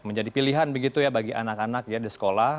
menjadi pilihan begitu ya bagi anak anak ya di sekolah